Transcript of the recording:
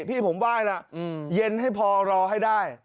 พี่ผมว่าอย่างนั้นหยินให้พอรอให้ได้